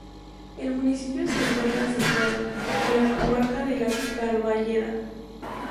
El municipio se encuentra situado en la comarca de La Carballeda.